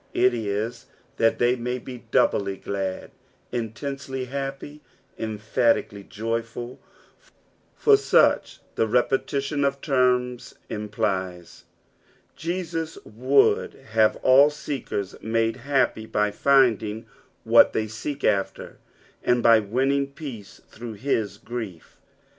it is that they ma^ be doubt; ^lud, intensely happy, emphatically joyful, for such the repetition of teima implies. Jesus would have all seekers made happy by finding what they seek after, and by winning peace through his grief.